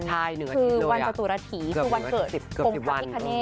ใช่นึงอาทิตย์เลยอะเกือบ๒๑ค่ะ